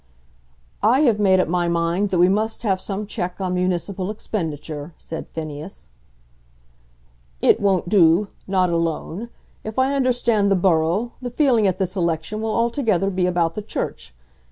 "I have made up my mind that we must have some check on municipal expenditure," said Phineas. "It won't do not alone. If I understand the borough, the feeling at this election will altogether be about the Church.